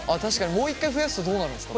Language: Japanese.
もう一回増やすとどうなるんですか？